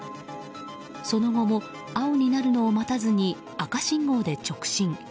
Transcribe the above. その後も青になるのを待たずに赤信号で直進。